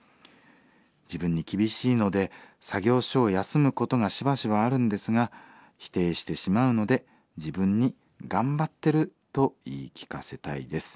自分に厳しいので作業所を休むことがしばしばあるんですが否定してしまうので自分に頑張ってると言い聞かせたいです。